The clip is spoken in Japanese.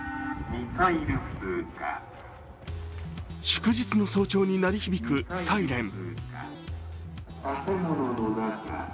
祝日の早朝に鳴り響くサイレン。